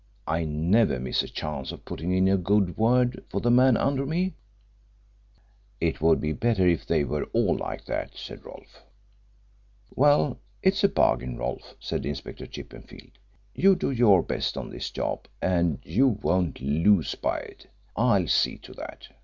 I never miss a chance of putting in a good word for the man under me." "It would be better if they were all like that," said Rolfe. "Well, it's a bargain, Rolfe," said Inspector Chippenfield. "You do your best on this job and you won't lose by it. I'll see to that.